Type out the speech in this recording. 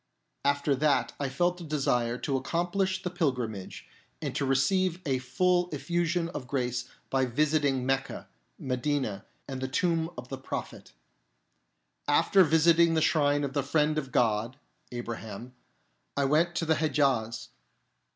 1 After that I felt a desire to accom plish the Pilgrimage, and to receive a full effusion of grace by visiting Mecca, Medina, and the Tomb of the Prophet. After visiting the shrine of the Friend of God (Abraham), I went to the Hedjaz.